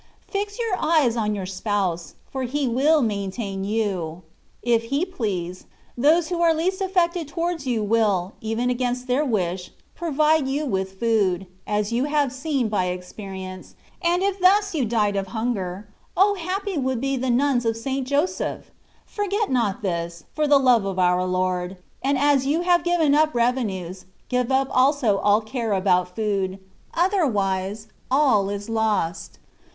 Fix your eyes on your Spouse, for He will maintain you. If He please, those who are least affected towards you will, even against their wish, provide you with food, as you have seen by experience ; and if thus you died of hunger, O ! happy would be the Nuns of St. Joseph ! Forget not this, for love of oiu* Lord ; and as you have given up revenues, give up also all care about food — otherwise all is lost.